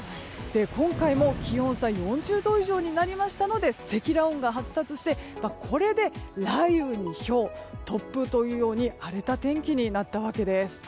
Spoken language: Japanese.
今回も気温差が４０度以上になりましたので積乱雲が発達してこれで雷雨に、ひょう突風というように荒れた天気になったわけです。